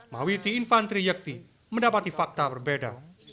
mawiti infantri yekti mendapati fakta berbeda